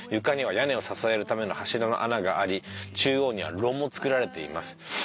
「床には屋根を支えるための柱の穴があり中央には炉も作られています」